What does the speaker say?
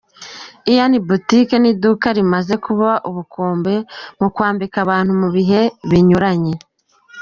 Ian Boutique ni iduka rimaze kuba ubukombe mu kwambika abantu mu bihe binyuranye.